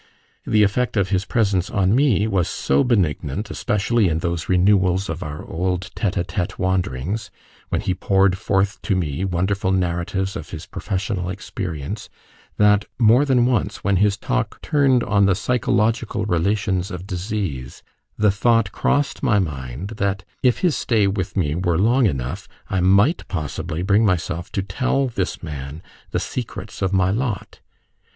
The effect of his presence on me was so benignant, especially in those renewals of our old tete a tete wanderings, when he poured forth to me wonderful narratives of his professional experience, that more than once, when his talk turned on the psychological relations of disease, the thought crossed my mind that, if his stay with me were long enough, I might possibly bring myself to tell this man the secrets of my lot.